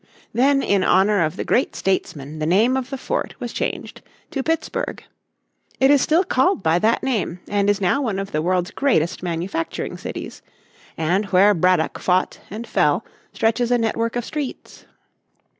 Then in honour of the great statesman the name of the fort was changed to Pittsburg. It is still called by that name and is now one of the world's greatest manufacturing cities; and where Braddock fought and fell stretches a network of streets.